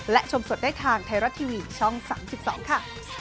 และชมสดได้ทางไทยรัฐทีวีช่อง๓๒ค่ะ